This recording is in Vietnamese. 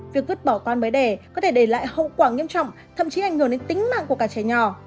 việc vứt bỏ con mới đẻ có thể để lại hậu quả nghiêm trọng thậm chí ảnh hưởng đến tính mạng của cả trẻ nhỏ